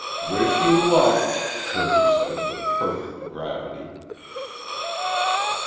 "Wish you luck," Kirby said with perfect gravity.